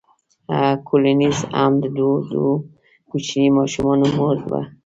کولینز هم د دوو کوچنیو ماشومانو مور وه.